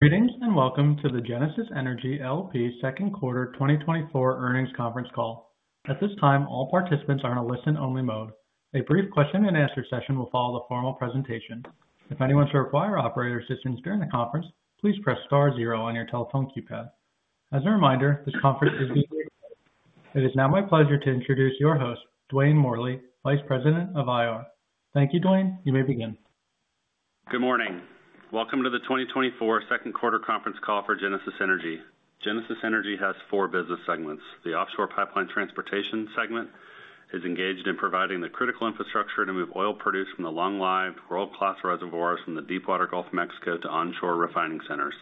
Greetings and welcome to the Genesis Energy, L.P. Second Quarter 2024 Earnings Conference Call. At this time, all participants are in a listen-only mode. A brief question-and-answer session will follow the formal presentation. If anyone should require operator assistance during the conference, please press star zero on your telephone keypad. As a reminder, this conference is being recorded. It is now my pleasure to introduce your host, Dwayne Morley, Vice President of IR. Thank you, Dwayne. You may begin. Good morning. Welcome to the 2024 Second Quarter Conference Call for Genesis Energy. Genesis Energy has four business segments. The offshore pipeline transportation segment is engaged in providing the critical infrastructure to move oil produced from the long-lived world-class reservoirs from the Deepwater Gulf of Mexico to onshore refining centers.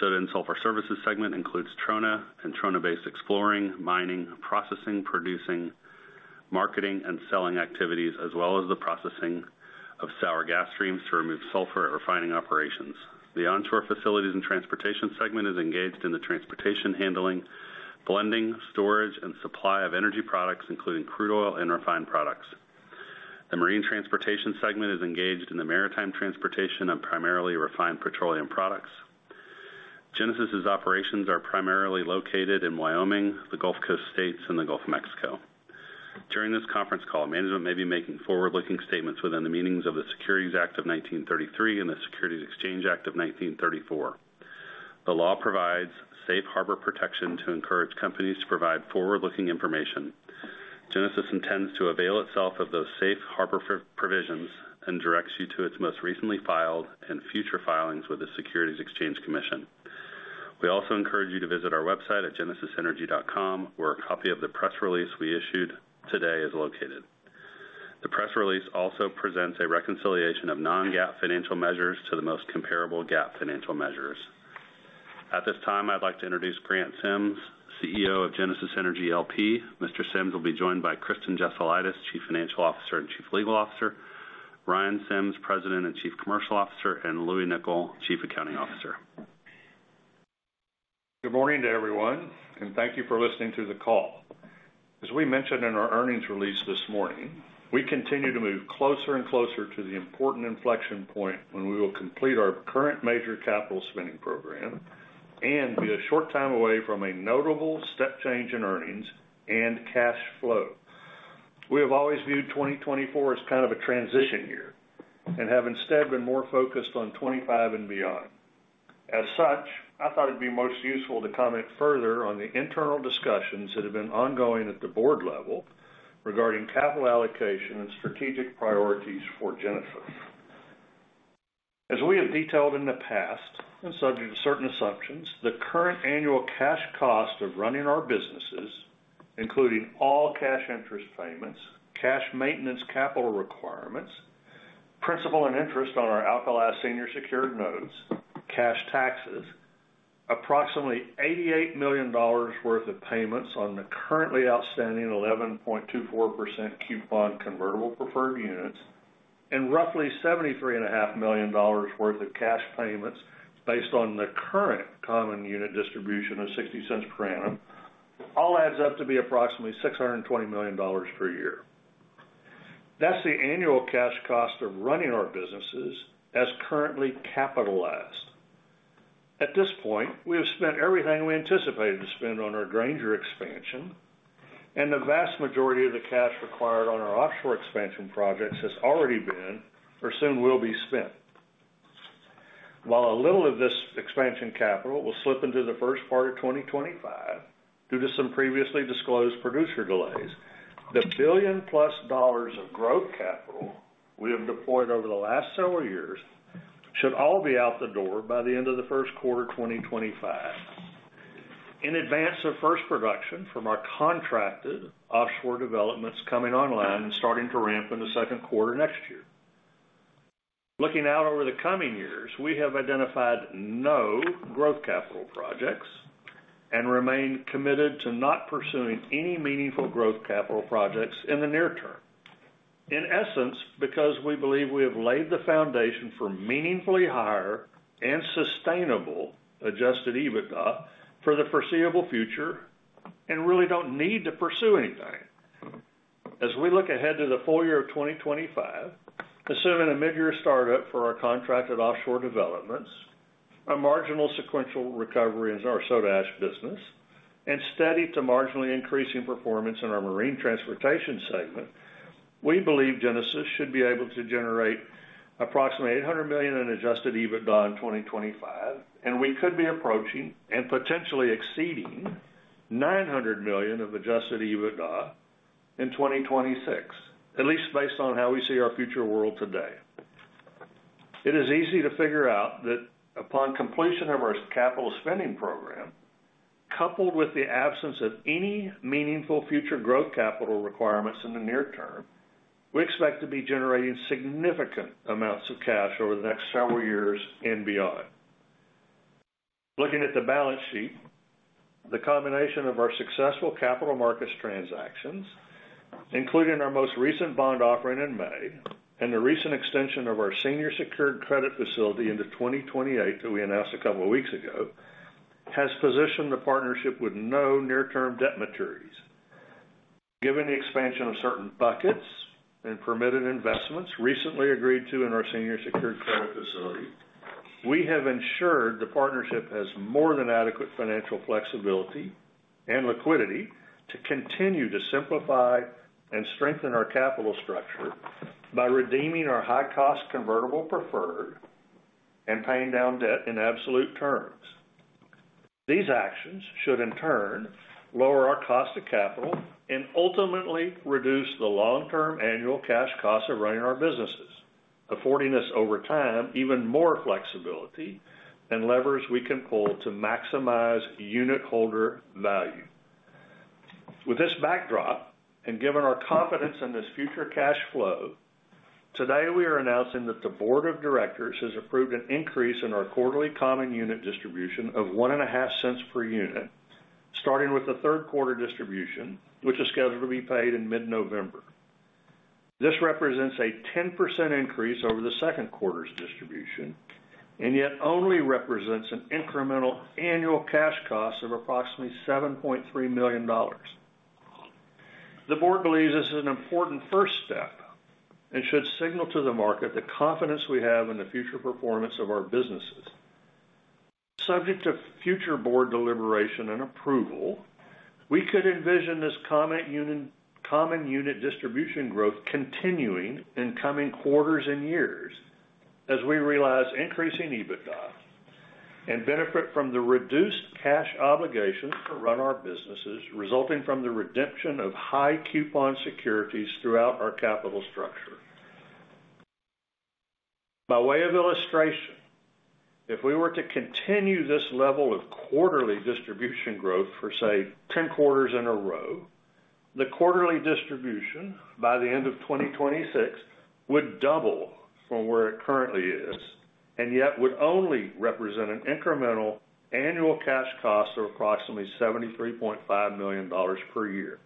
The sulfur services segment includes trona and trona-based exploration, mining, processing, producing, marketing, and selling activities, as well as the processing of sour gas streams to remove sulfur at refining operations. The onshore facilities and transportation segment is engaged in the transportation, handling, blending, storage, and supply of energy products, including crude oil and refined products. The marine transportation segment is engaged in the maritime transportation of primarily refined petroleum products. Genesis's operations are primarily located in Wyoming, the Gulf Coast States, and the Gulf of Mexico. During this conference call, management may be making forward-looking statements within the meanings of the Securities Act of 1933 and the Securities Exchange Act of 1934. The law provides safe harbor protection to encourage companies to provide forward-looking information. Genesis intends to avail itself of those safe harbor provisions and directs you to its most recently filed and future filings with the Securities and Exchange Commission. We also encourage you to visit our website at genesisenergy.com, where a copy of the press release we issued today is located. The press release also presents a reconciliation of non-GAAP financial measures to the most comparable GAAP financial measures. At this time, I'd like to introduce Grant Sims, CEO of Genesis Energy LP. Mr. Sims will be joined by Kristen Jesulaitis, Chief Financial Officer and Chief Legal Officer, Ryan Sims, President and Chief Commercial Officer, and Louie Nickel, Chief Accounting Officer. Good morning to everyone, and thank you for listening to the call. As we mentioned in our earnings release this morning, we continue to move closer and closer to the important inflection point when we will complete our current major capital spending program and be a short time away from a notable step change in earnings and cash flow. We have always viewed 2024 as kind of a transition year and have instead been more focused on 2025 and beyond. As such, I thought it'd be most useful to comment further on the internal discussions that have been ongoing at the board level regarding capital allocation and strategic priorities for Genesis. As we have detailed in the past and subject to certain assumptions, the current annual cash cost of running our businesses, including all cash interest payments, cash maintenance capital requirements, principal and interest on our Alkali Senior Secured Notes, cash taxes, approximately $88 million worth of payments on the currently outstanding 11.24% coupon convertible preferred units, and roughly $73.5 million worth of cash payments based on the current common unit distribution of $0.60 per annum, all adds up to be approximately $620 million per year. That's the annual cash cost of running our businesses as currently capitalized. At this point, we have spent everything we anticipated to spend on our Granger expansion, and the vast majority of the cash required on our offshore expansion projects has already been or soon will be spent. While a little of this expansion capital will slip into the first part of 2025 due to some previously disclosed producer delays, the $1 billion-plus of growth capital we have deployed over the last several years should all be out the door by the end of the first quarter of 2025, in advance of first production from our contracted offshore developments coming online and starting to ramp in the second quarter next year. Looking out over the coming years, we have identified no growth capital projects and remain committed to not pursuing any meaningful growth capital projects in the near term, in essence, because we believe we have laid the foundation for meaningfully higher and sustainable Adjusted EBITDA for the foreseeable future and really don't need to pursue anything. As we look ahead to the full year of 2025, assuming a mid-year startup for our contracted offshore developments, a marginal sequential recovery in our soda ash business, and steady to marginally increasing performance in our marine transportation segment, we believe Genesis should be able to generate approximately $800 million in Adjusted EBITDA in 2025, and we could be approaching and potentially exceeding $900 million of Adjusted EBITDA in 2026, at least based on how we see our future world today. It is easy to figure out that upon completion of our capital spending program, coupled with the absence of any meaningful future growth capital requirements in the near term, we expect to be generating significant amounts of cash over the next several years and beyond. Looking at the balance sheet, the combination of our successful capital markets transactions, including our most recent bond offering in May and the recent extension of our Senior Secured Credit Facility into 2028 that we announced a couple of weeks ago, has positioned the partnership with no near-term debt maturities. Given the expansion of certain buckets and permitted investments recently agreed to in our Senior Secured Credit Facility, we have ensured the partnership has more than adequate financial flexibility and liquidity to continue to simplify and strengthen our capital structure by redeeming our high-cost convertible preferred and paying down debt in absolute terms. These actions should, in turn, lower our cost of capital and ultimately reduce the long-term annual cash cost of running our businesses, affording us over time even more flexibility and levers we can pull to maximize unit holder value. With this backdrop and given our confidence in this future cash flow, today we are announcing that the board of directors has approved an increase in our quarterly common unit distribution of $0.015 per unit, starting with the third quarter distribution, which is scheduled to be paid in mid-November. This represents a 10% increase over the second quarter's distribution and yet only represents an incremental annual cash cost of approximately $7.3 million. The board believes this is an important first step and should signal to the market the confidence we have in the future performance of our businesses. Subject to future board deliberation and approval, we could envision this common unit distribution growth continuing in coming quarters and years as we realize increasing EBITDA and benefit from the reduced cash obligations to run our businesses resulting from the redemption of high coupon securities throughout our capital structure. By way of illustration, if we were to continue this level of quarterly distribution growth for, say, 10 quarters in a row, the quarterly distribution by the end of 2026 would double from where it currently is and yet would only represent an incremental annual cash cost of approximately $73.5 million per year.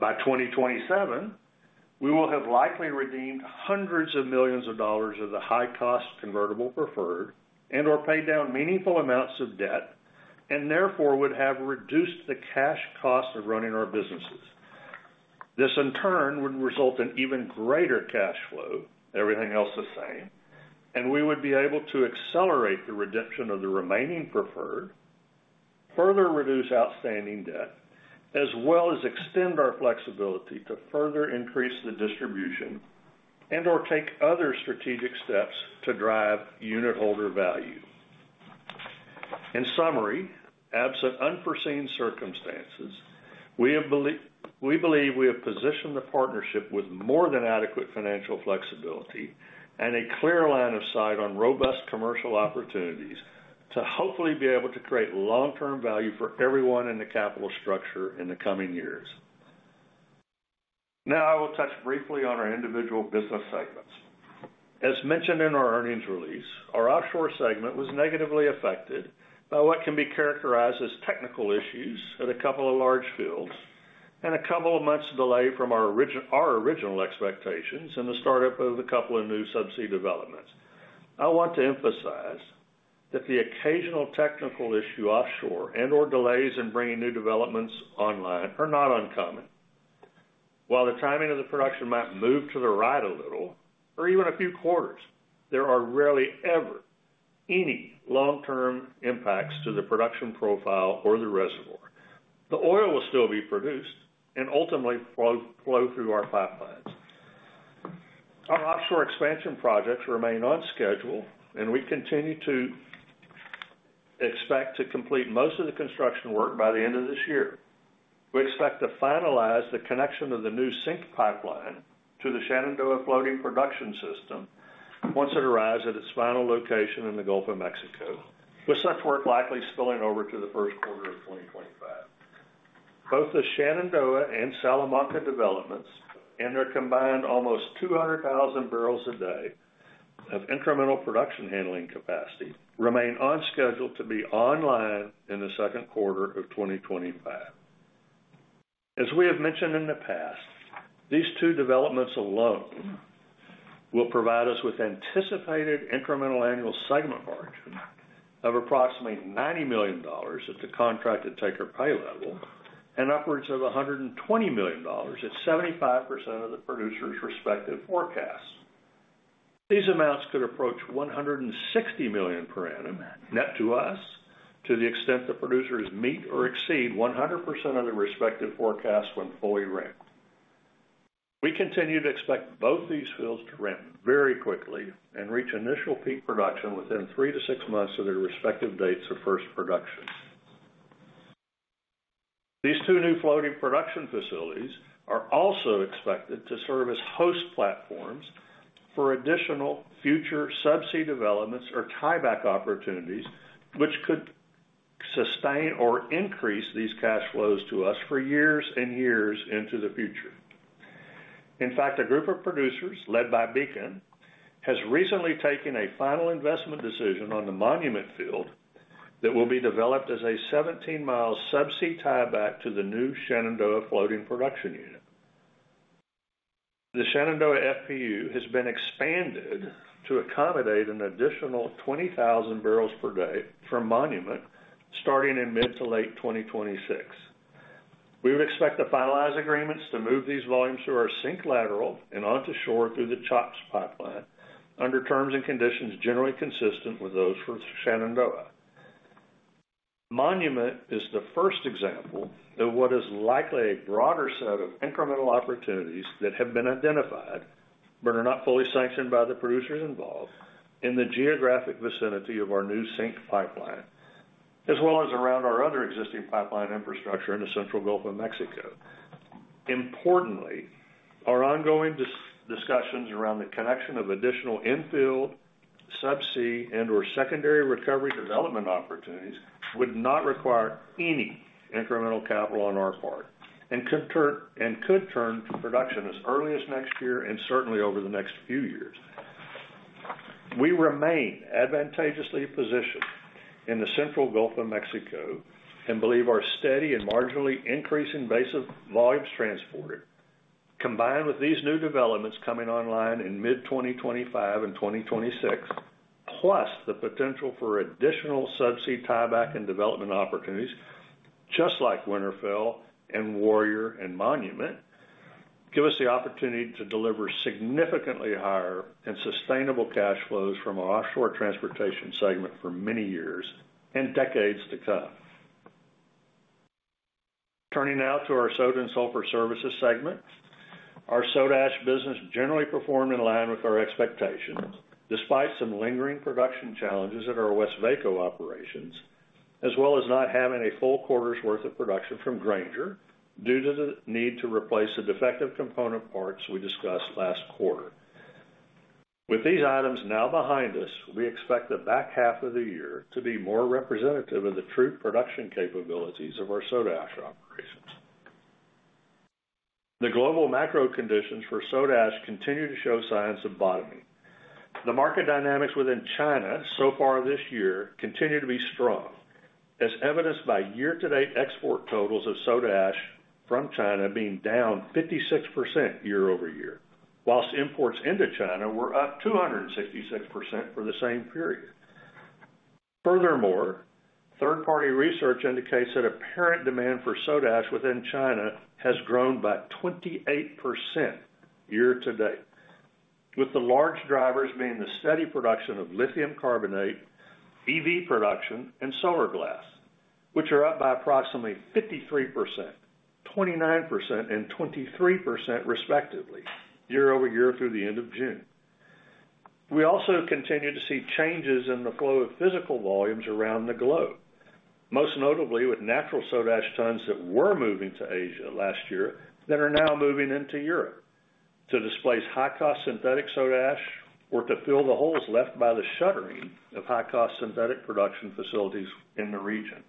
By 2027, we will have likely redeemed $hundreds of millions of the high-cost convertible preferred and/or paid down meaningful amounts of debt and therefore would have reduced the cash cost of running our businesses. This, in turn, would result in even greater cash flow, everything else the same, and we would be able to accelerate the redemption of the remaining preferred, further reduce outstanding debt, as well as extend our flexibility to further increase the distribution and/or take other strategic steps to drive unit holder value. In summary, absent unforeseen circumstances, we believe we have positioned the partnership with more than adequate financial flexibility and a clear line of sight on robust commercial opportunities to hopefully be able to create long-term value for everyone in the capital structure in the coming years. Now, I will touch briefly on our individual business segments. As mentioned in our earnings release, our offshore segment was negatively affected by what can be characterized as technical issues at a couple of large fields and a couple of months' delay from our original expectations in the startup of a couple of new subsea developments. I want to emphasize that the occasional technical issue offshore and/or delays in bringing new developments online are not uncommon. While the timing of the production might move to the right a little or even a few quarters, there are rarely ever any long-term impacts to the production profile or the reservoir. The oil will still be produced and ultimately flow through our pipelines. Our offshore expansion projects remain on schedule, and we continue to expect to complete most of the construction work by the end of this year. We expect to finalize the connection of the new SYNC pipeline to the Shenandoah floating production system once it arrives at its final location in the Gulf of Mexico, with such work likely spilling over to the first quarter of 2025. Both the Shenandoah and Salamanca developments, and their combined almost 200,000 barrels a day of incremental production handling capacity, remain on schedule to be online in the second quarter of 2025. As we have mentioned in the past, these two developments alone will provide us with anticipated incremental annual segment margin of approximately $90 million at the contracted take-or-pay level and upwards of $120 million at 75% of the producers' respective forecasts. These amounts could approach $160 million per annum net to us to the extent the producers meet or exceed 100% of their respective forecasts when fully ramped. We continue to expect both these fields to ramp very quickly and reach initial peak production within 3-6 months of their respective dates of first production. These two new floating production facilities are also expected to serve as host platforms for additional future subsea developments or tieback opportunities, which could sustain or increase these cash flows to us for years and years into the future. In fact, a group of producers led by Beacon has recently taken a final investment decision on the Monument field that will be developed as a 17-mile subsea tieback to the new Shenandoah floating production unit. The Shenandoah FPU has been expanded to accommodate an additional 20,000 barrels per day from Monument starting in mid to late 2026. We would expect the finalized agreements to move these volumes through our sink lateral and onto shore through the CHOPS pipeline under terms and conditions generally consistent with those for Shenandoah. Monument is the first example of what is likely a broader set of incremental opportunities that have been identified, but are not fully sanctioned by the producers involved in the geographic vicinity of our new sink pipeline, as well as around our other existing pipeline infrastructure in the central Gulf of Mexico. Importantly, our ongoing discussions around the connection of additional infield, subsea, and/or secondary recovery development opportunities would not require any incremental capital on our part and could turn to production as early as next year and certainly over the next few years. We remain advantageously positioned in the Central Gulf of Mexico and believe our steady and marginally increasing base of volumes transported, combined with these new developments coming online in mid-2025 and 2026, plus the potential for additional subsea tieback and development opportunities just like Winterfell and Warrior and Monument, give us the opportunity to deliver significantly higher and sustainable cash flows from our offshore transportation segment for many years and decades to come. Turning now to our soda and sulfur services segment, our soda ash business generally performed in line with our expectations, despite some lingering production challenges at our Westvaco operations, as well as not having a full quarter's worth of production from Granger due to the need to replace the defective component parts we discussed last quarter. With these items now behind us, we expect the back half of the year to be more representative of the true production capabilities of our soda ash operations. The global macro conditions for soda ash continue to show signs of bottoming. The market dynamics within China so far this year continue to be strong, as evidenced by year-to-date export totals of soda ash from China being down 56% year-over-year, while imports into China were up 266% for the same period. Furthermore, third-party research indicates that apparent demand for soda ash within China has grown by 28% year-to-date, with the large drivers being the steady production of lithium carbonate, EV production, and solar glass, which are up by approximately 53%, 29%, and 23%, respectively, year-over-year through the end of June. We also continue to see changes in the flow of physical volumes around the globe, most notably with natural soda ash tons that were moving to Asia last year that are now moving into Europe to displace high-cost synthetic soda ash or to fill the holes left by the shuttering of high-cost synthetic production facilities in the region.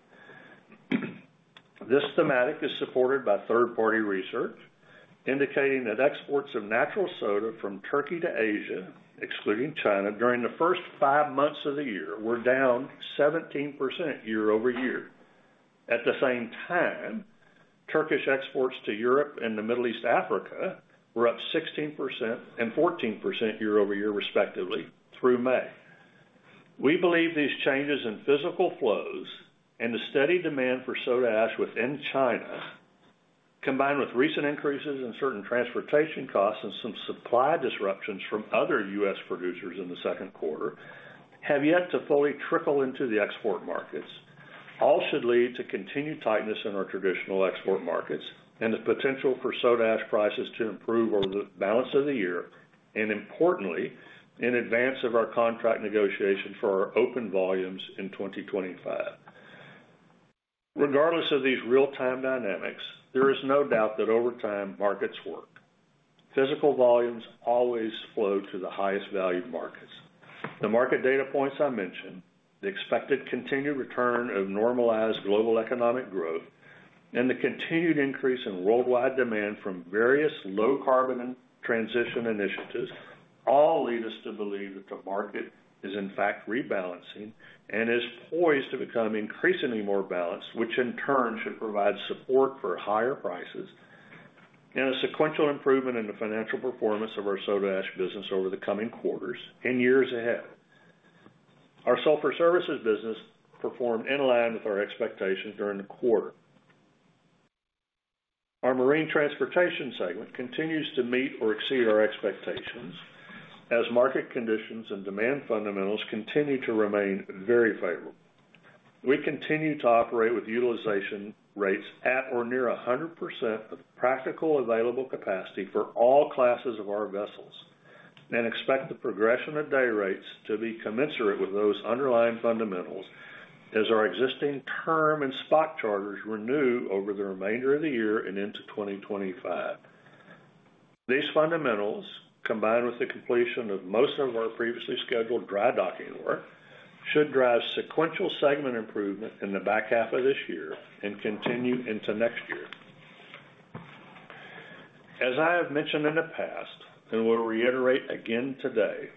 This thematic is supported by third-party research, indicating that exports of natural soda from Turkey to Asia, excluding China, during the first five months of the year were down 17% year-over-year. At the same time, Turkish exports to Europe and the Middle East, Africa, were up 16% and 14% year-over-year, respectively, through May. We believe these changes in physical flows and the steady demand for soda ash within China, combined with recent increases in certain transportation costs and some supply disruptions from other U.S. producers in the second quarter, have yet to fully trickle into the export markets. All should lead to continued tightness in our traditional export markets and the potential for soda ash prices to improve over the balance of the year and, importantly, in advance of our contract negotiation for our open volumes in 2025. Regardless of these real-time dynamics, there is no doubt that over time, markets work. Physical volumes always flow to the highest valued markets. The market data points I mentioned, the expected continued return of normalized global economic growth, and the continued increase in worldwide demand from various low-carbon transition initiatives all lead us to believe that the market is, in fact, rebalancing and is poised to become increasingly more balanced, which in turn should provide support for higher prices and a sequential improvement in the financial performance of our soda ash business over the coming quarters and years ahead. Our sulfur services business performed in line with our expectations during the quarter. Our marine transportation segment continues to meet or exceed our expectations as market conditions and demand fundamentals continue to remain very favorable. We continue to operate with utilization rates at or near 100% of practical available capacity for all classes of our vessels and expect the progression of day rates to be commensurate with those underlying fundamentals as our existing term and spot charters renew over the remainder of the year and into 2025. These fundamentals, combined with the completion of most of our previously scheduled dry docking work, should drive sequential segment improvement in the back half of this year and continue into next year. As I have mentioned in the past and will reiterate again today,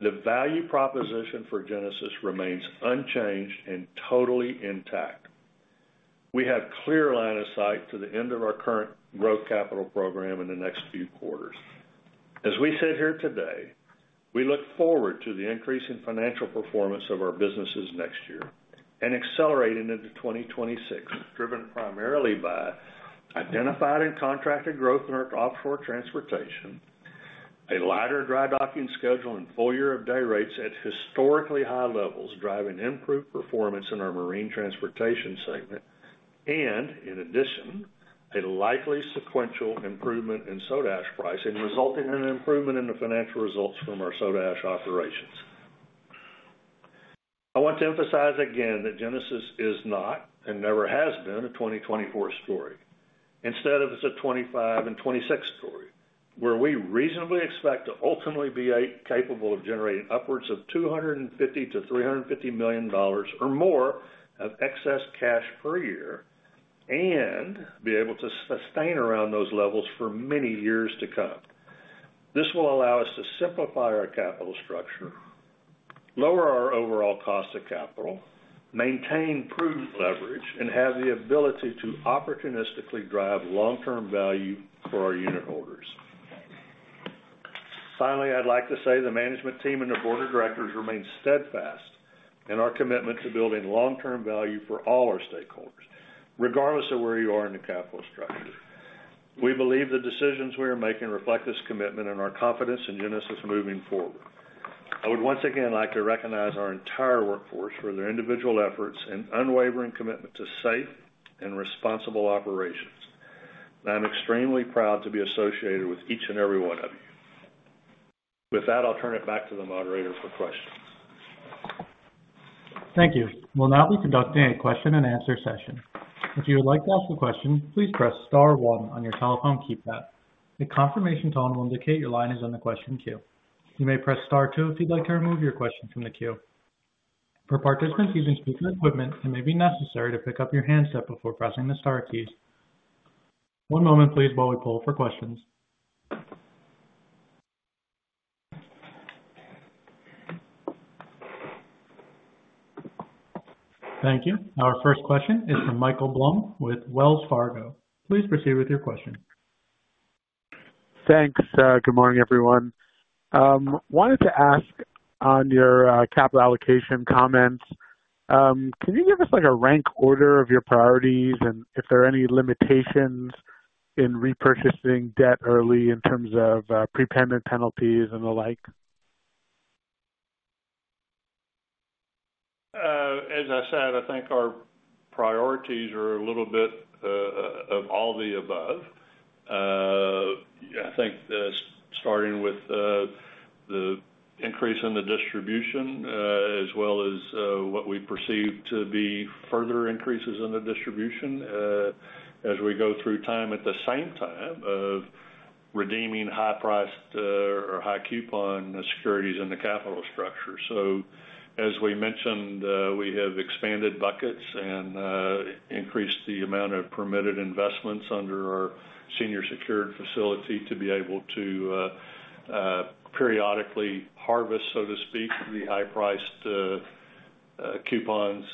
the value proposition for Genesis remains unchanged and totally intact. We have clear line of sight to the end of our current growth capital program in the next few quarters. As we sit here today, we look forward to the increasing financial performance of our businesses next year and accelerating into 2026, driven primarily by identified and contracted growth in our offshore transportation, a lighter dry docking schedule and full year of day rates at historically high levels driving improved performance in our marine transportation segment, and, in addition, a likely sequential improvement in soda ash pricing resulting in an improvement in the financial results from our soda ash operations. I want to emphasize again that Genesis is not and never has been a 2024 story. Instead, it's a 2025 and 2026 story where we reasonably expect to ultimately be capable of generating upwards of $250-$350 million or more of excess cash per year and be able to sustain around those levels for many years to come. This will allow us to simplify our capital structure, lower our overall cost of capital, maintain prudent leverage, and have the ability to opportunistically drive long-term value for our unit holders. Finally, I'd like to say the management team and the board of directors remain steadfast in our commitment to building long-term value for all our stakeholders, regardless of where you are in the capital structure. We believe the decisions we are making reflect this commitment and our confidence in Genesis moving forward. I would once again like to recognize our entire workforce for their individual efforts and unwavering commitment to safe and responsible operations. I'm extremely proud to be associated with each and every one of you. With that, I'll turn it back to the moderator for questions. Thank you. We'll now be conducting a question-and-answer session. If you would like to ask a question, please press Star 1 on your telephone keypad. A confirmation tone will indicate your line is on the question queue. You may press Star 2 if you'd like to remove your question from the queue. For participants using speaker equipment, it may be necessary to pick up your handset before pressing the Star keys. One moment, please, while we pull for questions. Thank you. Our first question is from Michael Blum with Wells Fargo. Please proceed with your question. Thanks. Good morning, everyone. Wanted to ask on your capital allocation comments. Can you give us a rank order of your priorities and if there are any limitations in repurchasing debt early in terms of prepayment penalties and the like? As I said, I think our priorities are a little bit of all the above. I think starting with the increase in the distribution, as well as what we perceive to be further increases in the distribution as we go through time, at the same time of redeeming high-priced or high-coupon securities in the capital structure. So, as we mentioned, we have expanded buckets and increased the amount of permitted investments under our senior secured facility to be able to periodically harvest, so to speak, the high-priced coupons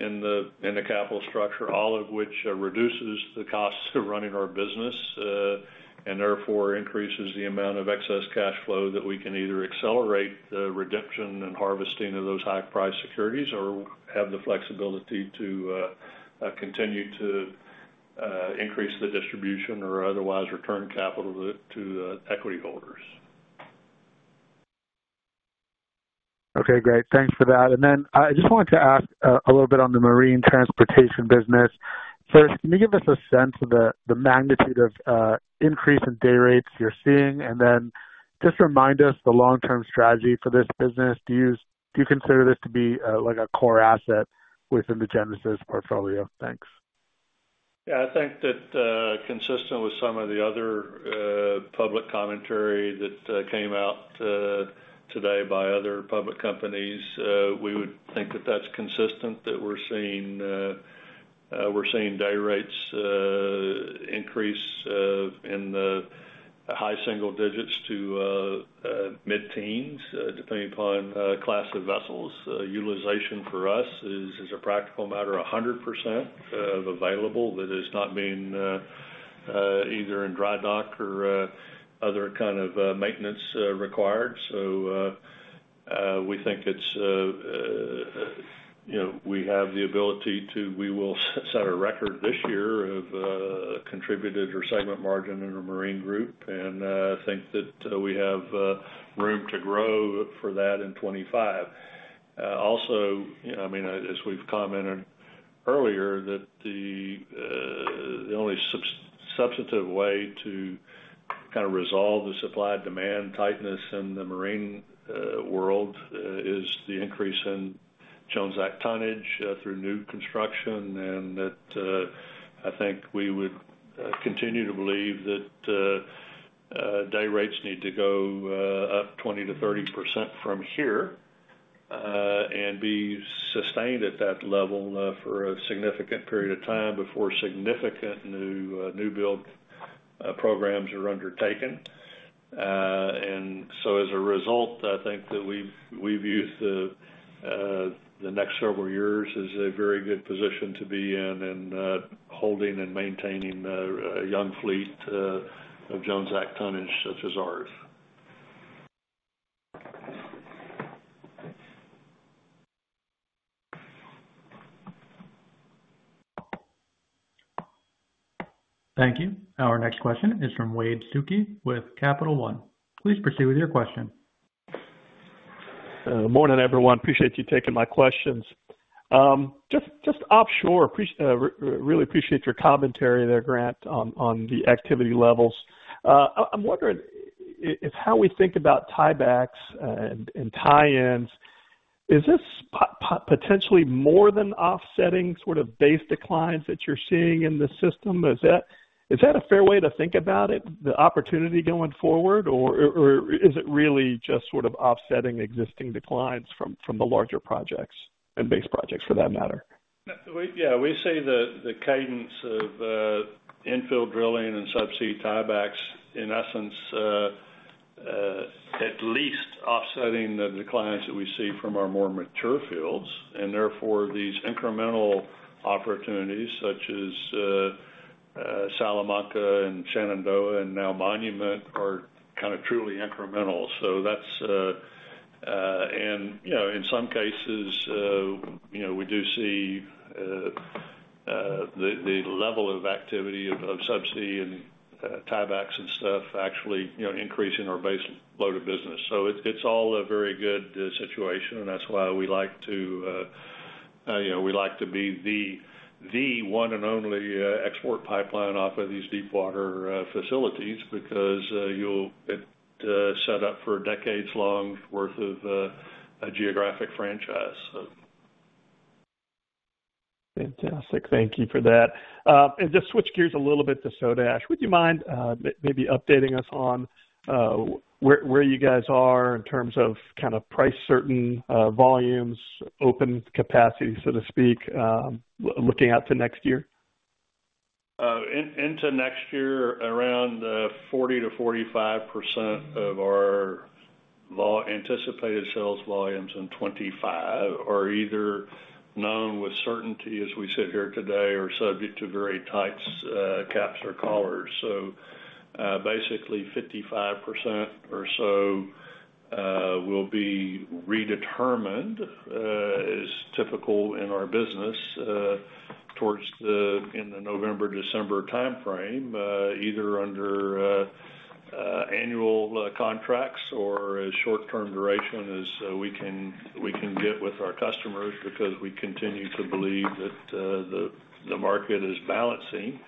in the capital structure, all of which reduces the costs of running our business and therefore increases the amount of excess cash flow that we can either accelerate the redemption and harvesting of those high-priced securities or have the flexibility to continue to increase the distribution or otherwise return capital to equity holders. Okay. Great. Thanks for that. And then I just wanted to ask a little bit on the marine transportation business. First, can you give us a sense of the magnitude of increase in day rates you're seeing? And then just remind us the long-term strategy for this business. Do you consider this to be a core asset within the Genesis portfolio? Thanks. Yeah. I think that, consistent with some of the other public commentary that came out today by other public companies, we would think that that's consistent, that we're seeing day rates increase in the high single digits to mid-teens, depending upon class of vessels. Utilization for us is, as a practical matter, 100% of available that is not being either in dry dock or other kind of maintenance required. So we think we have the ability to—we will set a record this year of contributed or segment margin in our marine group, and I think that we have room to grow for that in 2025. Also, I mean, as we've commented earlier, that the only substantive way to kind of resolve the supply-demand tightness in the marine world is the increase in Jones Act tonnage through new construction, and that I think we would continue to believe that day rates need to go up 20%-30% from here and be sustained at that level for a significant period of time before significant new build programs are undertaken. And so, as a result, I think that we view the next several years as a very good position to be in and holding and maintaining a young fleet of Jones Act tonnage such as ours. Thank you. Our next question is from Wade Suki with Capital One. Please proceed with your question. Morning, everyone. Appreciate you taking my questions. Just offshore, really appreciate your commentary there, Grant, on the activity levels. I'm wondering if how we think about tiebacks and tie-ins, is this potentially more than offsetting sort of base declines that you're seeing in the system? Is that a fair way to think about it, the opportunity going forward, or is it really just sort of offsetting existing declines from the larger projects and base projects for that matter? Yeah. We see the cadence of infill drilling and subsea tiebacks, in essence, at least offsetting the declines that we see from our more mature fields. And therefore, these incremental opportunities such as Salamanca and Shenandoah and now Monument are kind of truly incremental. So that's-and in some cases, we do see the level of activity of subsea and tiebacks and stuff actually increasing our base load of business. So it's all a very good situation, and that's why we like to-we like to be the one and only export pipeline off of these deep-water facilities because you'll get set up for a decades-long worth of geographic franchise. Fantastic. Thank you for that. And just switch gears a little bit to soda ash. Would you mind maybe updating us on where you guys are in terms of kind of price-certain volumes, open capacity, so to speak, looking out to next year? Into next year, around 40%-45% of our anticipated sales volumes in 2025 are either known with certainty as we sit here today or subject to very tight caps or collars. So basically, 55% or so will be redetermined, as typical in our business, towards the end of November, December timeframe, either under annual contracts or as short-term duration as we can get with our customers because we continue to believe that the market is balancing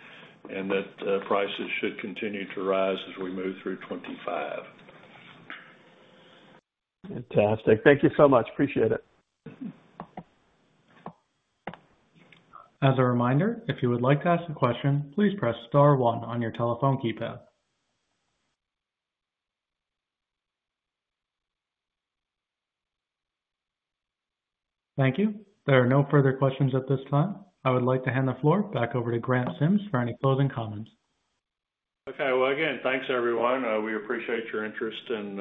and that prices should continue to rise as we move through 2025. Fantastic. Thank you so much. Appreciate it. As a reminder, if you would like to ask a question, please press Star 1 on your telephone keypad. Thank you. There are no further questions at this time. I would like to hand the floor back over to Grant Sims for any closing comments. Okay. Well, again, thanks, everyone. We appreciate your interest in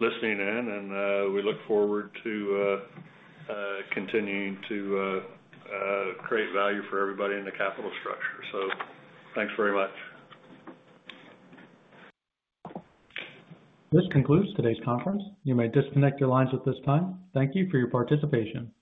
listening in, and we look forward to continuing to create value for everybody in the capital structure. So thanks very much. This concludes today's conference. You may disconnect your lines at this time. Thank you for your participation.